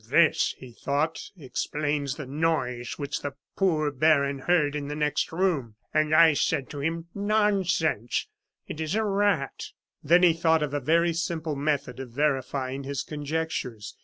"This," he thought, "explains the noise which the poor baron heard in the next room! And I said to him: 'Nonsense! it is a rat!'" Then he thought of a very simple method of verifying his conjectures.